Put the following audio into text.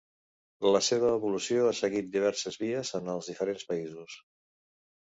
La seva evolució ha seguit diverses vies en els diferents països.